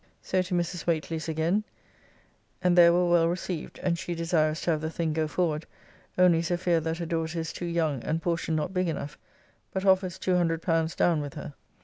So to Mrs. Whately's again, and there were well received, and she desirous to have the thing go forward, only is afeard that her daughter is too young and portion not big enough, but offers L200 down with her.